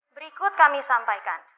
berikut kami sampaikan